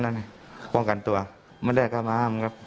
แล้วก็ความกันตัวไม่ได้การมาห้ามครับ